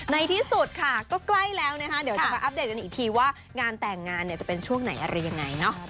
ในที่สุดค่ะก็ใกล้แล้วนะคะเดี๋ยวจะมาอัปเดตกันอีกทีว่างานแต่งงานเนี่ยจะเป็นช่วงไหนอะไรยังไงเนาะ